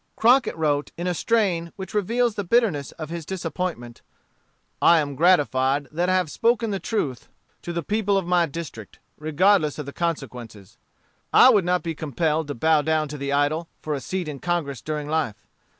Crockett wrote, in a strain which reveals the bitterness of his disappointment: "I am gratified that I have spoken the truth to the people of my district, regardless of the consequences. I would not be compelled to bow down to the idol for a seat in Congress during life.